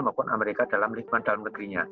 maupun amerika dalam lingkungan dalam negerinya